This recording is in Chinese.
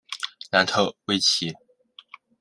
楠特威奇。